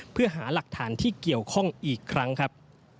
เพื่อหาหลักฐานที่เกี่ยวข้องอีกครั้งครับ